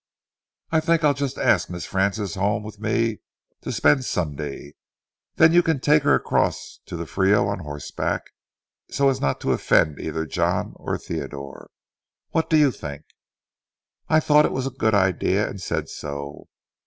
"I think I'll just ask Miss Frances home with me to spend Sunday. Then you can take her across to the Frio on horseback, so as not to offend either John or Theodore. What do you think?" I thought it was a good idea, and said so.